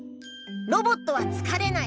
ロボットはつかれない。